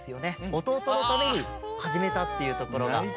おとうとのためにはじめたっていうところが。